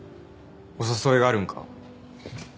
お誘いがあるんか。